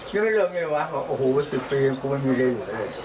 ยังไม่เริ่มได้เลยว่ะโอ้โห๑๐ปีแล้วกูไม่มีได้หัวเลย